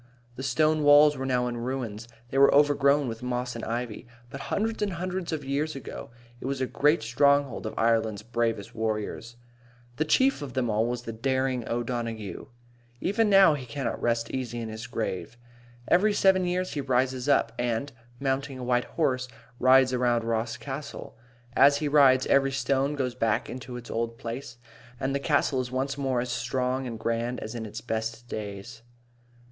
The stone walls were now in ruins. They were overgrown with moss and ivy. But hundreds and hundreds of years ago it was a great stronghold of Ireland's bravest warriors. The chief of them all was the daring O'Donaghue. Even now he cannot rest easy in his grave. Every seven years he rises up, and, mounting a white horse, rides around Ross Castle. And as he rides every stone goes back into its old place, and the castle is once more as strong and grand as in its best days.